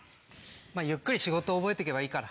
ゆっくり仕事覚えてけばいいから。